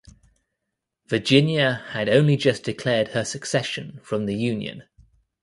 Virginia had only just declared her secession from the Union.